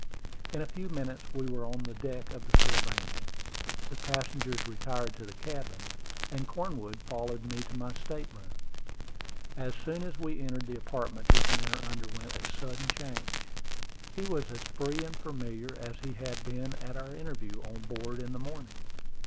In a few minutes we were on the deck of the Sylvania. The passengers retired to the cabin, and Cornwood followed me to my state room. As soon as we entered the apartment his manner underwent a sudden change. He was as free and familiar as he had been at our interview on board in the morning.